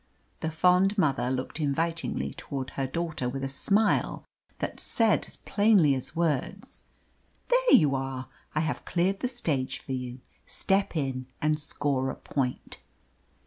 The fond mother looked invitingly towards her daughter with a smile that said as plainly as words "There you are! I have cleared the stage for you step in and score a point."